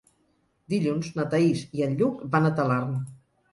Dilluns na Thaís i en Lluc van a Talarn.